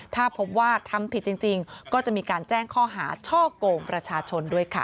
ถ้าพบว่าทำผิดจริงก็จะมีการแจ้งข้อหาช่อกงประชาชนด้วยค่ะ